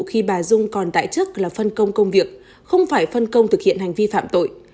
khi bà dung còn tại chức là phân công công việc không phải phân công thực hiện hành vi phạm tội